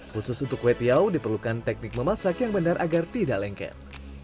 khusus untuk kue tiaw diperlukan teknik memasak yang benar agar tidak lengket